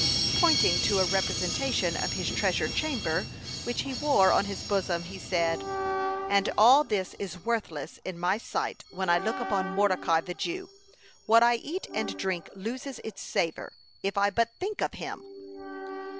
(155) Pointing to a representation of his treasure chamber, which he wore on his bosom, (156) he said: "And all this is worthless in my sight when I look upon Mordecai, the Jew. What I eat and drink loses its savor, if I but think of him."